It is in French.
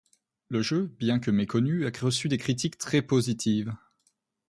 Le jeu, bien que méconnu, a reçu des critiques très positives.